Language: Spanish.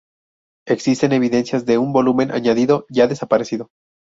Existen evidencias de un volumen añadido ya desaparecido.